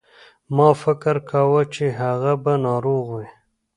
ما فکر کاوه چې هغه به ناروغ وي.